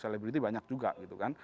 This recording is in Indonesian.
selebriti banyak juga gitu kan